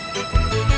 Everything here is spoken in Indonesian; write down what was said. kenapa tidak bisa